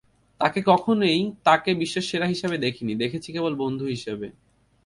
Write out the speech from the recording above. তাকে কখনই তাকে বিশ্বের সেরা হিসেবে দেখিনি, দেখেছি কেবল বন্ধু হিসেবে।